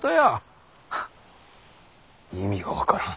意味が分からん。